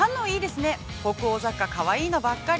北欧雑貨かわいいのばっかり。